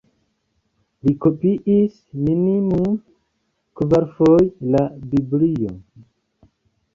Li kopiis minimume kvarfoje la Biblion.